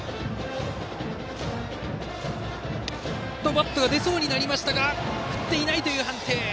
バットが出そうになったが振っていないという判定。